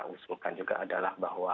saya ingin saya usulkan juga adalah bahwa